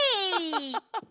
ハハハハ。